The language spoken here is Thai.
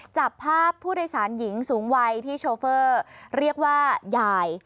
จับภาพผู้โดยสารหญิงสูงวัยที่โชเฟอร์เรียกว่ายาย